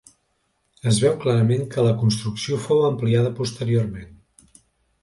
Es veu clarament que la construcció fou ampliada posteriorment.